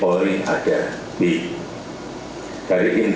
sebenarnya eti eti kecil kecil